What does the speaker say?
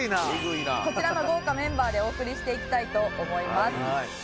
こちらの豪華メンバーでお送りしていきたいと思います。